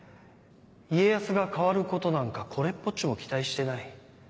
家康が変わることなんかこれっぽっちも期待してない。